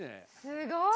すごい。